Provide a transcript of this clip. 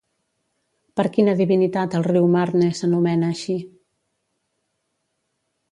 Per quina divinitat el riu Marne s'anomena així?